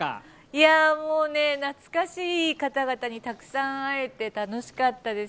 いやー、もうね、懐かしい方々にたくさん会えて、楽しかったです。